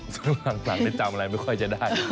ฝืมจากหลังไปจำอะไรไม่ค่อยจะได้